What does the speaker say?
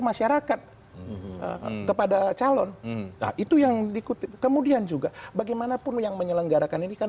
masyarakat kepada calon itu yang dikutip kemudian juga bagaimanapun yang menyelenggarakan ini kan